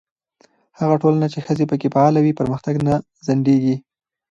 هغه ټولنه چې ښځې پکې فعاله وي، پرمختګ نه ځنډېږي.